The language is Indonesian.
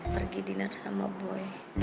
pergi diner sama boy